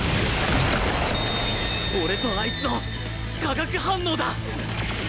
俺とあいつの化学反応だ！